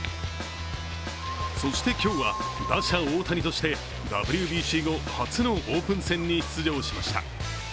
そして、今日は打者・大谷としてＷＢＣ後初のオープン戦に出場しました。